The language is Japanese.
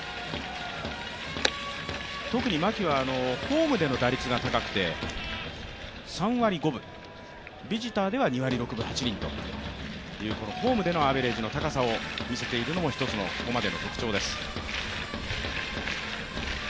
特に牧はホームでの打率が高くて３割５分、ビジターでは２割６分８輪というホームでのアベレージの高さを見せているのが、一つのここまでの特徴です。